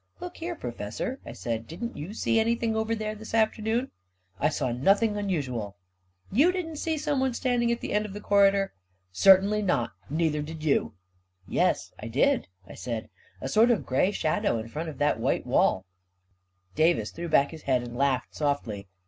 44 Look here, Professor," I said, 4I didn't you see anything over there this afternoon? " 44 1 saw nothing unusual." 44 You didn't see someone standing at the end of the corridor?" 44 Certainly not I Neither did you." ^ 44 Yes, I did," I said. " A sort of gray shadow in front of that white wall ..." A KING IN BABYLON 229 Davis threw back his head and laughed softly.